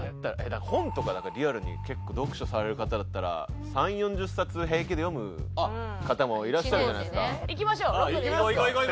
本とかなんかリアルに結構読書される方だったら３０４０冊平気で読む方もいらっしゃるじゃないですか。